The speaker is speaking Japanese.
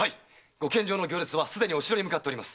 御献上の行列はすでにお城に向かっております。